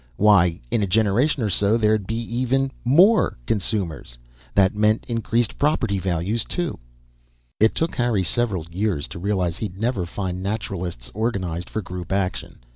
Why, in a generation or so there'd be even more customers! That meant increased property values, too. It took Harry several years to realize he'd never find Naturalists organized for group action.